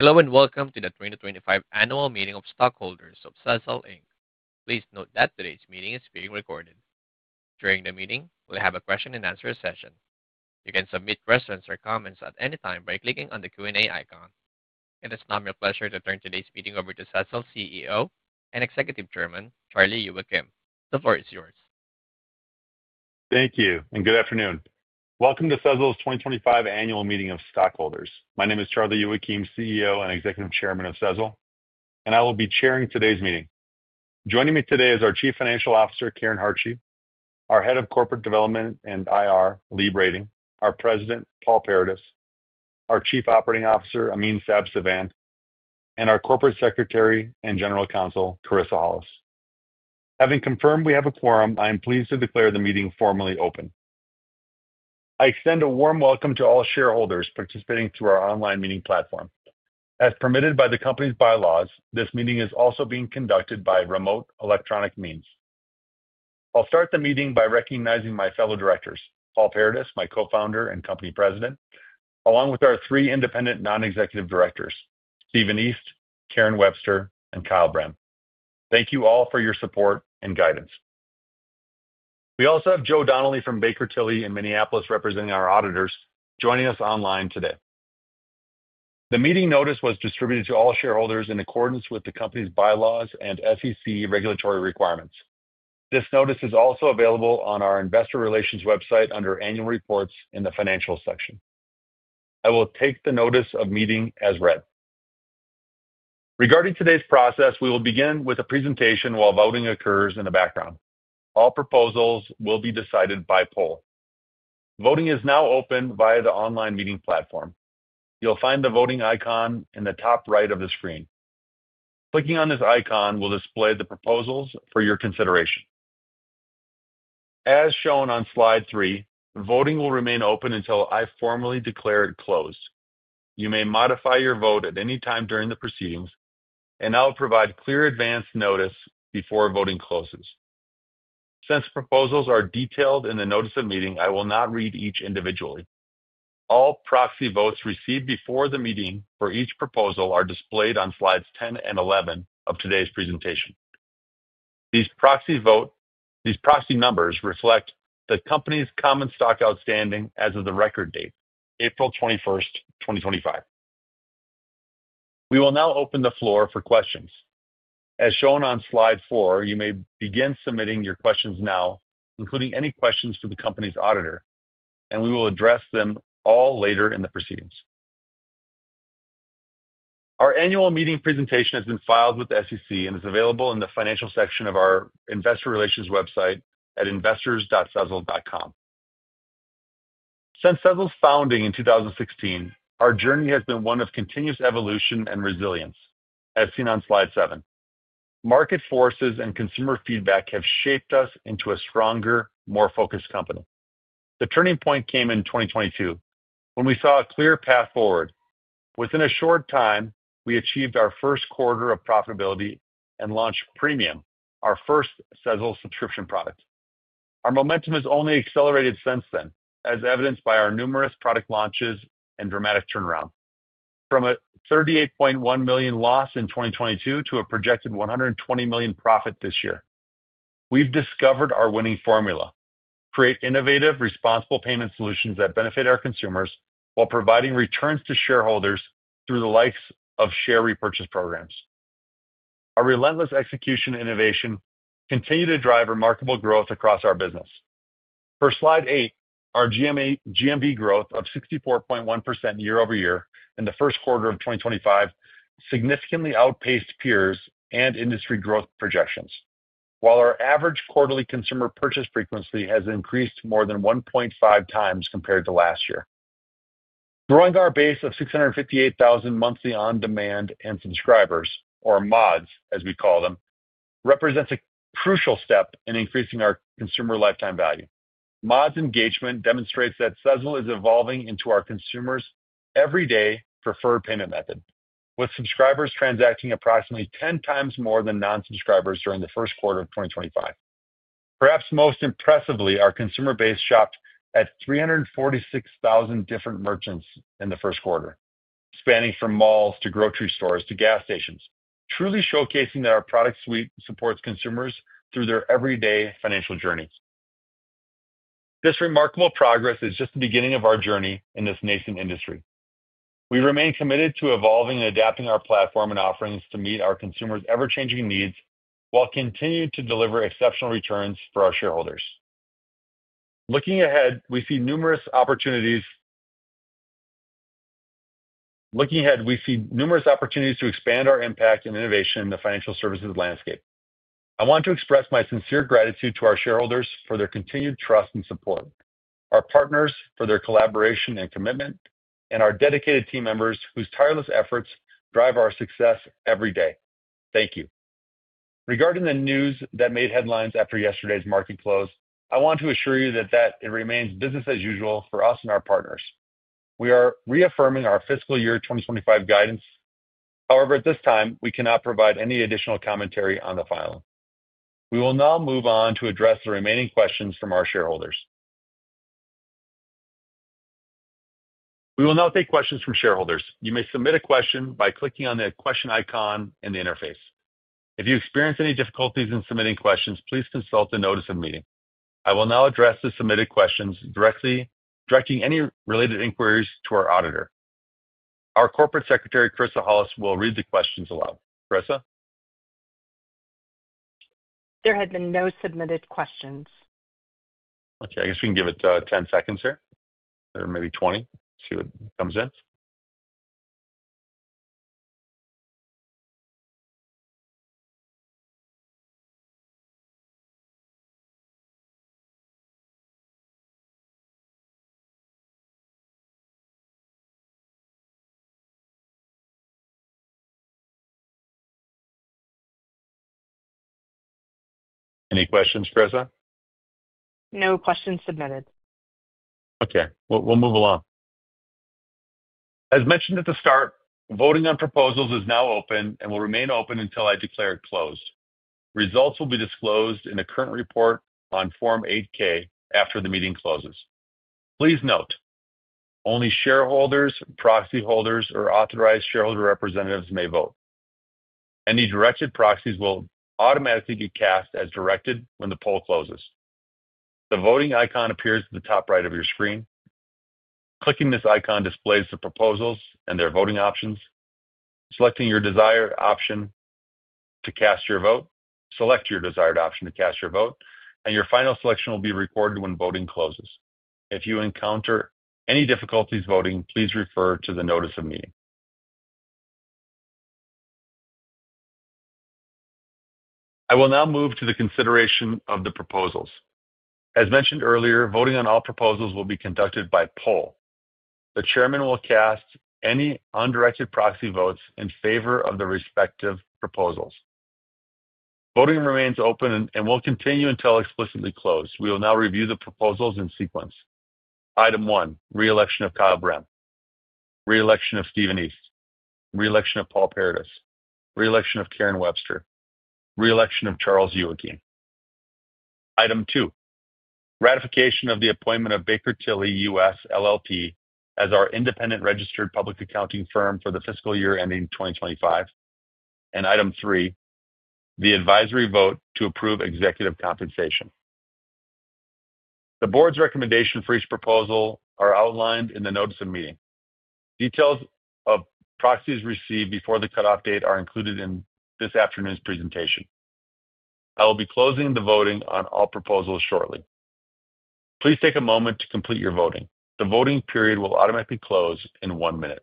Hello and welcome to the 2025 Annual Meeting of Stockholders of Sezzle. Please note that today's meeting is being recorded. During the meeting, we'll have a question and answer session. You can submit questions or comments at any time by clicking on the Q&A icon. It is now my pleasure to turn today's meeting over to Sezzle's CEO and Executive Chairman, Charlie Youakim. The floor is yours. Thank you, and good afternoon. Welcome to Sezzle's 2025 Annual Meeting of Stockholders. My name is Charlie Youakim, CEO and Executive Chairman of Sezzle, and I will be chairing today's meeting. Joining me today is our Chief Financial Officer, Karen Hartje, our Head of Corporate Development and IR, Lee Brading, our President, Paul Paradis, our Chief Operating Officer, Amin Sabzivand, and our Corporate Secretary and General Counsel, Kerissa Hollis. Having confirmed we have a quorum, I am pleased to declare the meeting formally open. I extend a warm welcome to all shareholders participating through our online meeting platform. As permitted by the company's bylaws, this meeting is also being conducted by remote electronic means. I'll start the meeting by recognizing my fellow directors, Paul Paradis, my co-founder and company president, along with our three independent non-executive directors, Stephen East, Karen Webster, and Kyle Brehm. Thank you all for your support and guidance. We also have Joe Donnelly from Baker Tilly in Minneapolis representing our auditors, joining us online today. The meeting notice was distributed to all shareholders in accordance with the company's bylaws and SEC regulatory requirements. This notice is also available on our Investor Relations website under Annual Reports in the Financials section. I will take the notice of meeting as read. Regarding today's process, we will begin with a presentation while voting occurs in the background. All proposals will be decided by poll. Voting is now open via the online meeting platform. You'll find the voting icon in the top right of the screen. Clicking on this icon will display the proposals for your consideration. As shown on slide three, voting will remain open until I formally declare it closed. You may modify your vote at any time during the proceedings, and I'll provide clear advance notice before voting closes. Since proposals are detailed in the notice of meeting, I will not read each individually. All proxy votes received before the meeting for each proposal are displayed on slides 10 and 11 of today's presentation. These proxy numbers reflect the company's common stock outstanding as of the record date, April 21, 2025. We will now open the floor for questions. As shown on slide four, you may begin submitting your questions now, including any questions for the company's auditor, and we will address them all later in the proceedings. Our annual meeting presentation has been filed with the SEC and is available in the Financials section of our Investor Relations website at investors.sezzle.com. Since Sezzle's founding in 2016, our journey has been one of continuous evolution and resilience, as seen on slide seven. Market forces and consumer feedback have shaped us into a stronger, more focused company. The turning point came in 2022 when we saw a clear path forward. Within a short time, we achieved our first quarter of profitability and launched Premium, our first Sezzle subscription product. Our momentum has only accelerated since then, as evidenced by our numerous product launches and dramatic turnaround. From a $38.1 million loss in 2022 to a projected $120 million profit this year, we've discovered our winning formula: create innovative, responsible payment solutions that benefit our consumers while providing returns to shareholders through the likes of share repurchase programs. Our relentless execution and innovation continue to drive remarkable growth across our business. For slide eight, our GMV growth of 64.1% year over year in the first quarter of 2025 significantly outpaced peers and industry growth projections, while our average quarterly consumer purchase frequency has increased more than 1.5 times compared to last year. Growing our base of 658,000 monthly on-demand and subscribers, or MODs, as we call them, represents a crucial step in increasing our consumer lifetime value. MODs engagement demonstrates that Sezzle is evolving into our consumers' everyday preferred payment method, with subscribers transacting approximately 10 times more than non-subscribers during the first quarter of 2025. Perhaps most impressively, our consumer base shopped at 346,000 different merchants in the first quarter, spanning from malls to grocery stores to gas stations, truly showcasing that our product suite supports consumers through their everyday financial journeys. This remarkable progress is just the beginning of our journey in this nascent industry. We remain committed to evolving and adapting our platform and offerings to meet our consumers' ever-changing needs while continuing to deliver exceptional returns for our shareholders. Looking ahead, we see numerous opportunities to expand our impact and innovation in the financial services landscape. I want to express my sincere gratitude to our shareholders for their continued trust and support, our partners for their collaboration and commitment, and our dedicated team members whose tireless efforts drive our success every day. Thank you. Regarding the news that made headlines after yesterday's market close, I want to assure you that it remains business as usual for us and our partners. We are reaffirming our fiscal year 2025 guidance. However, at this time, we cannot provide any additional commentary on the file. We will now move on to address the remaining questions from our shareholders. We will now take questions from shareholders. You may submit a question by clicking on the question icon in the interface. If you experience any difficulties in submitting questions, please consult the notice of meeting. I will now address the submitted questions, directing any related inquiries to our auditor. Our Corporate Secretary, Kerissa Hollis, will read the questions aloud. Kerissa? There had been no submitted questions. Okay. I guess we can give it 10 seconds here, or maybe 20, see what comes in. Any questions, Kerissa? No questions submitted. Okay. We'll move along. As mentioned at the start, voting on proposals is now open and will remain open until I declare it closed. Results will be disclosed in the current report on Form 8-K after the meeting closes. Please note, only shareholders, proxy holders, or authorized shareholder representatives may vote. Any directed proxies will automatically be cast as directed when the poll closes. The voting icon appears at the top right of your screen. Clicking this icon displays the proposals and their voting options. Select your desired option to cast your vote, and your final selection will be recorded when voting closes. If you encounter any difficulties voting, please refer to the notice of meeting. I will now move to the consideration of the proposals. As mentioned earlier, voting on all proposals will be conducted by poll. The chairman will cast any undirected proxy votes in favor of the respective proposals. Voting remains open and will continue until explicitly closed. We will now review the proposals in sequence. Item one, reelection of Kyle Brem. Reelection of Stephen East. Reelection of Paul Paradis. Reelection of Karen Webster. Reelection of Charlie Youakim. Item two, ratification of the appointment of Baker Tilly US, LLP, as our independent registered public accounting firm for the fiscal year ending 2025. Item three, the advisory vote to approve executive compensation. The board's recommendation for each proposal is outlined in the notice of meeting. Details of proxies received before the cutoff date are included in this afternoon's presentation. I will be closing the voting on all proposals shortly. Please take a moment to complete your voting. The voting period will automatically close in one minute.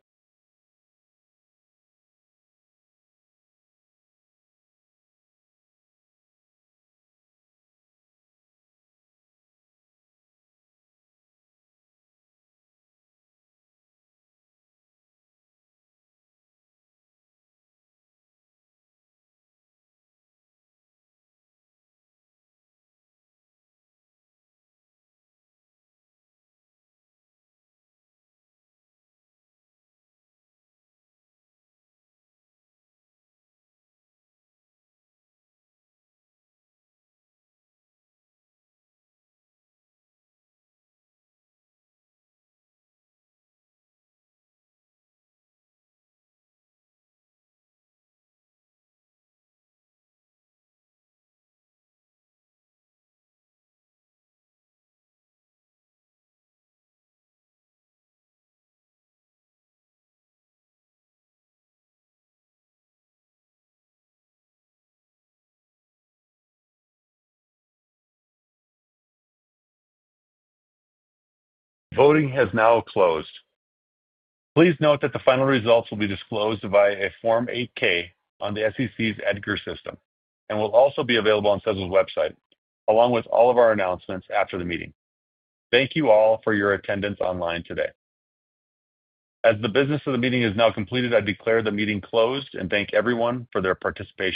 Voting has now closed. Please note that the final results will be disclosed via a Form 8-K on the SEC's Edgar system and will also be available on Sezzle's website, along with all of our announcements after the meeting. Thank you all for your attendance online today. As the business of the meeting is now completed, I declare the meeting closed and thank everyone for their participation.